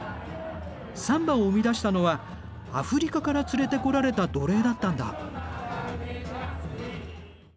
サンバを生み出したのはアフリカから連れてこられた奴隷だったんだ。